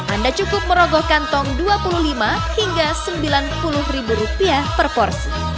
anda cukup merogoh kantong dua puluh lima hingga sembilan puluh ribu rupiah per porsi